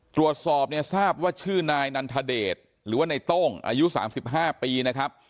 ตรวจสอบเนี่ยทราบว่าชื่อนายนันทเดชหรือว่าในโต้งอายุ๓๕ปีนะครับ